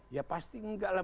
ya pasti enggak lah